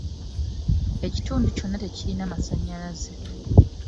Ekitundu kyonna tekirina masannyalaze.